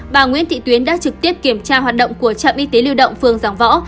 bà nguyễn thị tuyến đã trực tiếp kiểm tra hoạt động của trạm y tế lưu động phương giảng võ